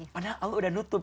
padahal allah sudah menutup